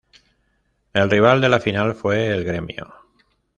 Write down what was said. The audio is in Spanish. El rival de la final fue el Grêmio.